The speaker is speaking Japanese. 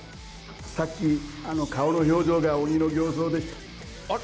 さっき、顔の表情が鬼の形相でしあれ？